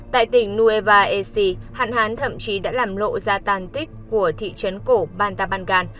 tại tỉnh nueva eci hạn hán thậm chí đã làm lộ ra tàn tích của thị trấn cổ bantabangan